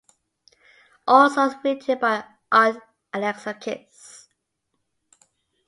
All songs written by Art Alexakis